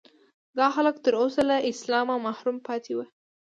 دا خلک تر اوسه له اسلامه محروم پاتې وو.